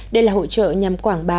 đây là hội trợ nhằm quảng bá